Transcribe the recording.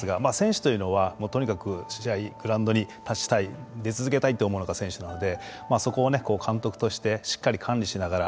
私も監督経験ありますが選手というのは、とにかく試合グラウンドに立ちたい出続けたいと思うのが選手なのでそこを監督としてしっかり管理しながら